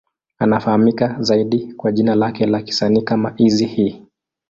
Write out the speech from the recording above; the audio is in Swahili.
Anafahamika zaidi kwa jina lake la kisanii kama Eazy-E.